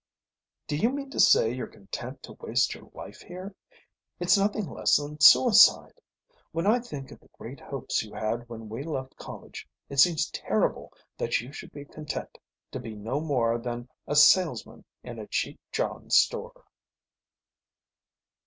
"Do you mean to say you're content to waste your life here? It's nothing less than suicide. When I think of the great hopes you had when we left college it seems terrible that you should be content to be no more than a salesman in a cheap John store."